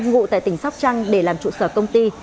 ngụ tại tỉnh sóc trăng để làm trụ sở công ty